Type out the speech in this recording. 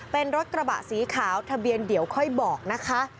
เป็นรถกระบะสีขาวทะเบียนเดี๋ยวค่อยบอกนะคะ